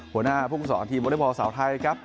หัวหน้าภูมิสอนทีมวอลเตอร์บอลเตอร์สาวไทยครับ